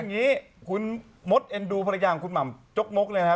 คืออย่างนี้คุณมดเอ็นดูพระย่างคุณหม่ำจกมกนะครับ